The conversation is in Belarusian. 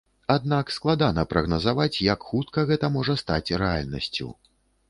Аднак складана прагназаваць, як хутка гэта можа стаць рэальнасцю.